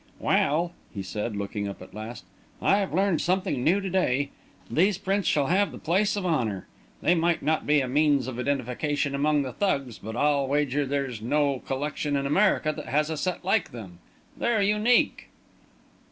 "Well," he said, looking up, at last, "I've learned something new to day. These prints shall have the place of honour. They might not be a means of identification among the Thugs, but I'll wager there's no collection in America has a set like them! They're unique!"